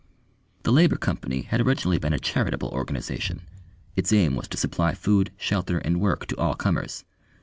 The Labour Company had originally been a charitable organisation; its aim was to supply food, shelter, and work to all comers.